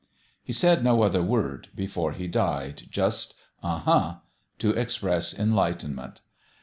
He said no other word before he died. Just, " \3\i huh !" to express enlightenment.